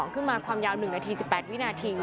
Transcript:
ขึ้นมาความยาว๑นาที๑๘วินาที